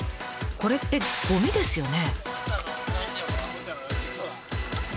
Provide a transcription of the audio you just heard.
これってゴミですよね？